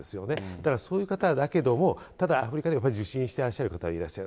だからそういう方だけども、ただ、アフリカでは受診してらっしゃる方はいらっしゃる。